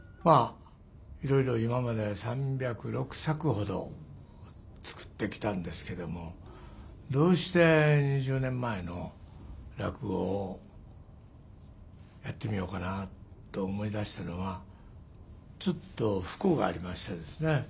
まあいろいろ今まで３０６作ほど作ってきたんですけどもどうして２０年前の落語をやってみようかなと思い出したのはちょっと不幸がありましてですね